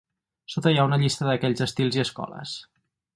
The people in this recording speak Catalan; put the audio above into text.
Sota hi ha una llista d'aquells estils i escoles.